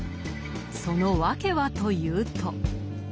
その訳はというと？